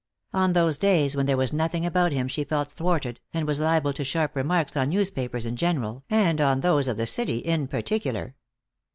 On those days when there was nothing about him she felt thwarted, and was liable to sharp remarks on newspapers in general, and on those of the city in particular.